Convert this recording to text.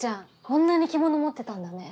こんなに着物持ってたんだね。